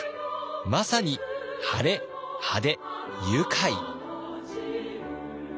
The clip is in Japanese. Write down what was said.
まさにハレ・派手・愉快！